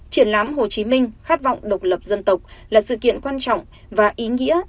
triển lãm hồ chí minh khát vọng độc lập dân tộc là sự kiện quan trọng và ý nghĩa